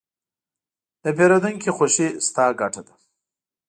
د پیرودونکي خوښي، ستا ګټه ده.